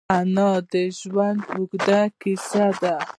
انا د ژوند اوږده کیسه ده